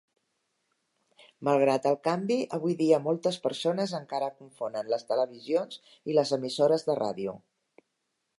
Malgrat el canvi, avui dia moltes persones encara confonen les televisions i les emissores de ràdio.